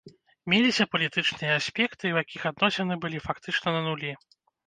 Меліся палітычныя аспекты, у якіх адносіны былі фактычна на нулі.